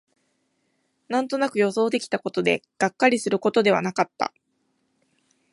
なんとなく予想できたことで、がっかりすることではなかった